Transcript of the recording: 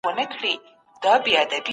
تاریخي میراثونه زموږ هویت دی.